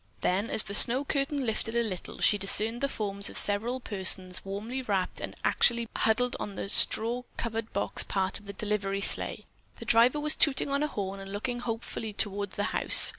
Then, as the snow curtain lifted a little, she discerned the forms of several persons warmly wrapped and actually huddled on the straw covered box part of the delivery sleigh. The driver was tooting on a horn and looking hopefully toward the house.